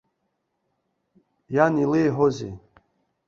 Иан илеиҳәоузеи?